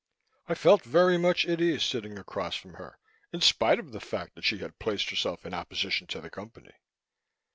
I felt very much at ease sitting across from her, in spite of the fact that she had placed herself in opposition to the Company.